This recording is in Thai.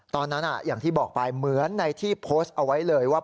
ตอนนั้นอะอย่างที่บอกไปเหมือนในที่โพสต์เอาไว้เลย